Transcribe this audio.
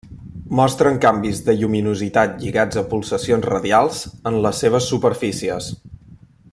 Mostren canvis de lluminositat lligats a pulsacions radials en les seves superfícies.